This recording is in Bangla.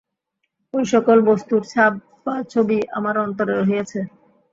ঐসকল বস্তুর ছাপ বা ছবি আমার অন্তরে রহিয়াছে।